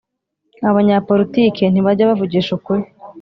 Abanya politike ntibajya bavugisha ukuri